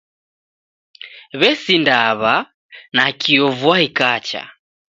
W'esindaw'a nakio vua ikacha.